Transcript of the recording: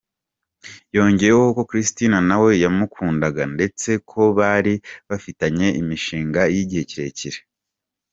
Yongeyeho ko Kristina na we yamukundaga ndetse ko bari bafitanye imishinga y’igihe kirekire.